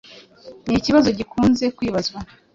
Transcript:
ni ikibazo gikunze kwibazwa